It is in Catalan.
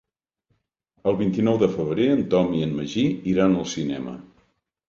El vint-i-nou de febrer en Tom i en Magí iran al cinema.